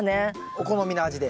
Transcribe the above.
お好みの味で？